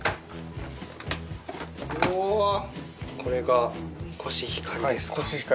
おこれがコシヒカリですか。